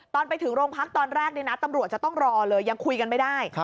ตอนไปถึงโรงพักตอนแรกนี่นะตำรวจจะต้องรอเลยยังคุยกันไม่ได้